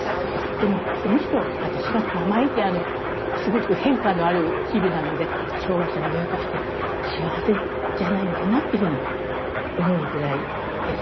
でもむしろ私は毎日すごく変化のある日々なので障害者の親として幸せじゃないのかなっていうふうに思うぐらいですね。